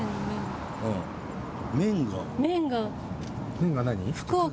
麺が何？